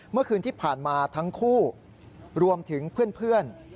เมื่อคืนที่ผ่านมาทั้งคู่รวมถึงเพื่อน